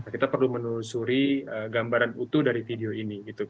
kita perlu menelusuri gambaran utuh dari video ini